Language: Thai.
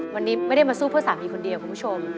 วันนี้ไม่ได้มาสู้เพื่อสามีคนเดียวคุณผู้ชม